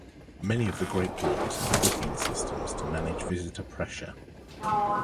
Many of the Great Walks have booking systems to manage visitor pressure.